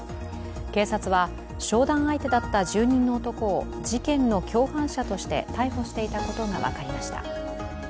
警察は、商談相手だった住人の男を事件の共犯者として逮捕していたことが分かりました。